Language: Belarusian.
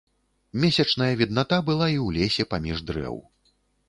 Месячная відната была і ў лесе паміж дрэў.